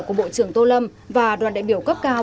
của bộ trưởng tô lâm và đoàn đại biểu cấp cao